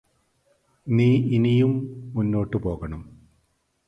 നീ ഇനിയും മുന്നോട്ട് പോകണം